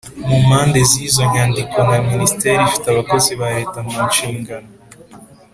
mu mpande z izo nyandiko na Minisiteri ifite abakozi ba Leta mu nshingano